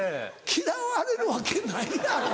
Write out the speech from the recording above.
嫌われるわけないやろ？